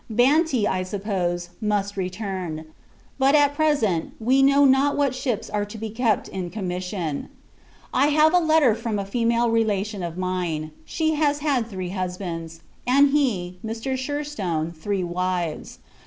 Banti, I suppose, must return; but, at present, we know not what ships are to be kept in commission. I have a letter from a female relation of mine. She has had three husbands; and he, Mr. Sherstone, three wives.